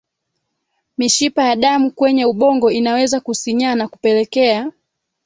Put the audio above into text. Mishipa ya damu kwenye ubongo inaweza kusinyaa na kupelekea